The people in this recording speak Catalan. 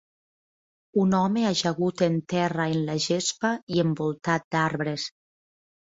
un home ajagut en terra en la gespa i envoltat d'arbres.